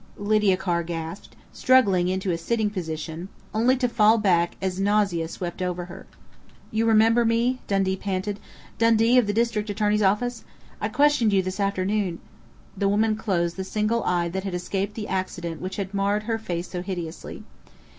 Lydia Carr gasped, struggling to a sitting position, only to fall back as nausea swept over her. "You remember me?" Dundee panted. "Dundee of the district attorney's office. I questioned you this afternoon " The woman closed the single eye that had escaped the accident which had marred her face so hideously.